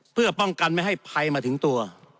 เพื่อป้องกันไม่ให้ภัยมาถึงตัว